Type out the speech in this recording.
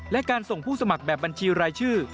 และการส่งผู้สมัครแบบบัญชีรายชื่อ